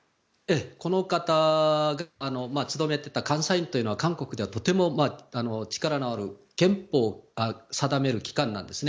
この方が勤めていた監査院というのは韓国ではとても力のある憲法が定める機関なんですね。